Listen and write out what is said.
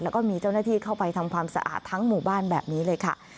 แล้วก็มีเจ้าหน้าที่เข้าไปทำความสะอาดทั้งหมู่บ้านแบบนี้เลยค่ะ